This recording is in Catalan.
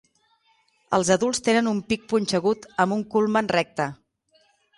Els adults tenen un pic punxegut amb un culmen recte.